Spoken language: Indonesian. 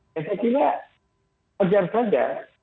saya kira sejarah saja